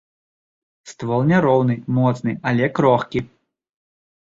Ствол няроўны, моцны, але крохкі.